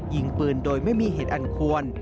ยิงปืนโดยไม่มีเหตุอันควร